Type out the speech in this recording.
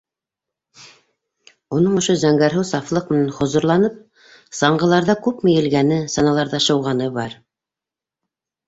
Уның ошо зәңгәрһыу сафлыҡ менән хозурланып саңғыларҙа күпме елгәне, саналарҙа шыуғаны бар!